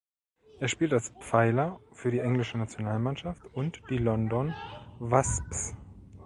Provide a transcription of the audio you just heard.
Er spielt als Pfeiler für die englische Nationalmannschaft und die London Wasps.